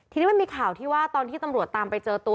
ทีนี้มันมีข่าวที่ว่าตอนที่ตำรวจตามไปเจอตัว